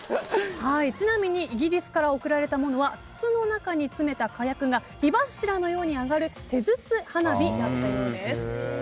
ちなみにイギリスから贈られたものは筒の中に詰めた火薬が火柱のように上がる手筒花火だったようです。